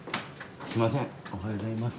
すいませんおはようございます。